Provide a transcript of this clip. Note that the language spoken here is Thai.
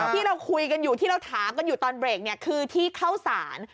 ที่เราคุยกันอยู่ที่เราถามกันอยู่ตอนเบรกคือที่เข้าสาร